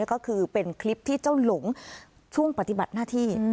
ก็คือเป็นคลิปที่เจ้าหลงช่วงปฏิบัติหน้าที่